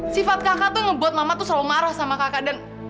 sifat kakak tuh yang membuat mama tuh selalu marah sama kakak dan